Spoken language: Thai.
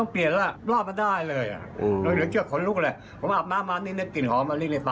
เพราะว่าเนี่ย